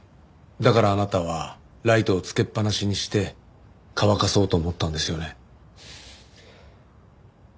だからあなたはライトをつけっぱなしにして乾かそうと思ったんですよね？